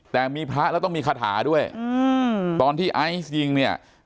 แต่มีพระแล้วต้องมีคาถาด้วยตอนที่ไอซ์ยิงเนี่ย